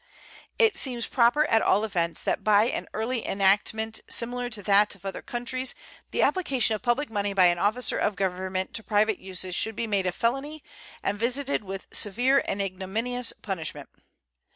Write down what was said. It seems proper, at all events, that by an early enactment similar to that of other countries the application of public money by an officer of Government to private uses should be made a felony and visited with severe and ignominious punishment.